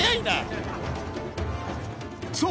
［そう。